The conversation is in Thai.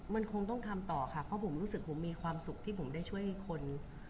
มันคงต้องทำต่อค่ะเพราะผมรู้สึกผมมีความสุขที่ผมได้ช่วยคน